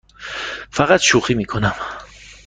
فقط شوخی می کنم.